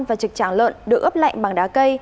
và trực tràng lợn được ướp lạnh bằng đá cây